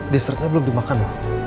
dessertnya belum dimakan